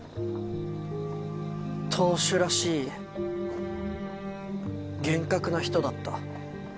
当主らしい厳格な人だった。